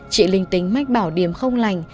chị linh tính mách bảo điểm không lành